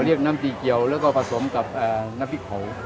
เรียกน้ำจีเกียวแล้วก็ผสมกับน้ำพริกเผา